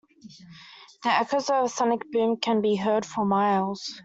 The echoes of a sonic boom can be heard for miles.